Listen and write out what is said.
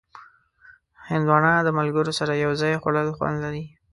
هندوانه د ملګرو سره یو ځای خوړل خوند لري.